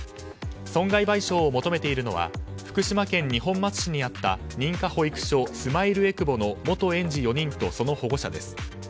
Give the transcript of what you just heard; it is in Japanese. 損害賠償を求めているのは福島県二本松市にあった認可保育所すまいるえくぼの元園児４人と、その保護者です。